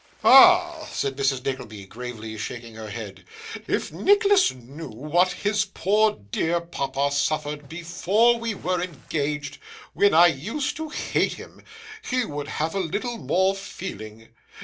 'Ah!' said Mrs. Nickleby, gravely shaking her head; 'if Nicholas knew what his poor dear papa suffered before we were engaged, when I used to hate him, he would have a little more feeling.